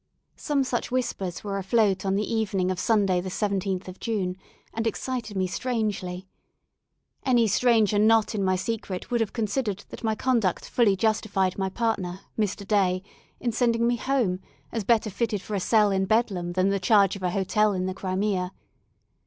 Some such whispers were afloat on the evening of Sunday the 17th of June, and excited me strangely. Any stranger not in my secret would have considered that my conduct fully justified my partner, Mr. Day, in sending me home, as better fitted for a cell in Bedlam than the charge of an hotel in the Crimea.